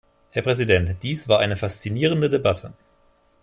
Herr Präsident, dies war eine faszinierende Debatte.